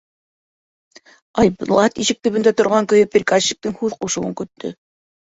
Айбулат ишек төбөндә торған көйө приказчиктың һүҙ ҡушыуын көттө.